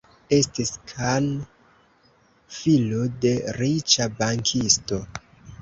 Estis Kahn, filo de riĉa bankisto.